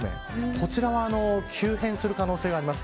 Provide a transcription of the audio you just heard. こちらは急変する可能性があります。